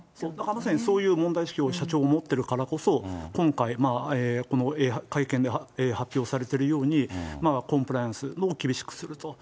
まさにそういう問題意識を社長が持っているからこそ、今回、この会見で発表されているように、コンプライアンスを厳しくすると。